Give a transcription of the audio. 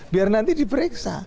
biar nanti diperiksa